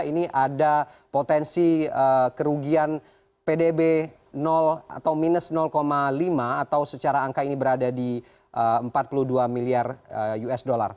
ini ada potensi kerugian pdb atau minus lima atau secara angka ini berada di empat puluh dua miliar usd